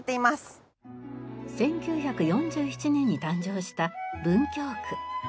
１９４７年に誕生した文京区。